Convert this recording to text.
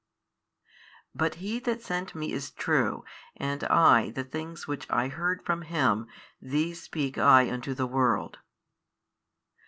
But He That sent Me is True, and I the things which I heard from Him, these speak I unto the world.